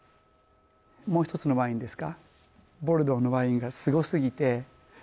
もう一つのワインですか？